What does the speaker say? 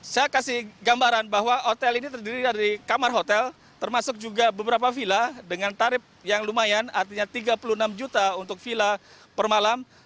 saya kasih gambaran bahwa hotel ini terdiri dari kamar hotel termasuk juga beberapa villa dengan tarif yang lumayan artinya tiga puluh enam juta untuk villa per malam